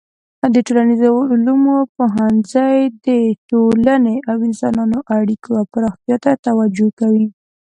د ټولنیزو علومو پوهنځی د ټولنې او انسانانو اړیکو او پراختیا ته توجه کوي.